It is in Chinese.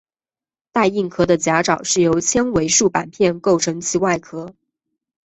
带硬壳的甲藻是由纤维素板片构成其外壳。